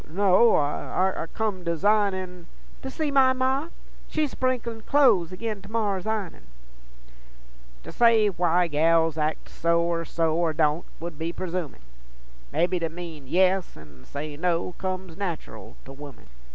no ... I come dasignin' 'To see my Ma? She's sprinklin' clo'es Agin to morrer's i'nin'.' To say why gals acts so or so, Or don't, 'ould be persumin'; Mebby to mean yes an' say no Comes nateral to women.